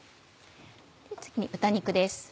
次に豚肉です。